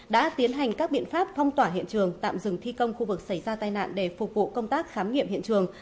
đã tiến hành các biện pháp phong tỏa hiện trường tạm dừng thi công khu vực xảy ra tai nạn để phục vụ công tác khám nghiệm hiện trường